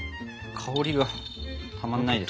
香りがたまんないです。